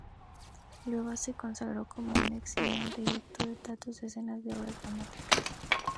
Luego se consagró como un eximio director de teatros de decenas de obras dramáticas.